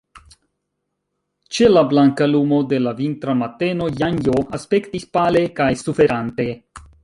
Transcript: Ĉe la blanka lumo de la vintra mateno Janjo aspektis pale kaj suferante.